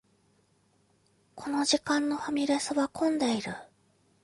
この時間のファミレスは混んでいる